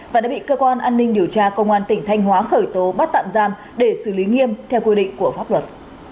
và đã bị cơ quan an ninh điều tra công an tỉnh thanh hóa khởi tố bắt tạm giam để xử lý nghiêm theo quy định của pháp luật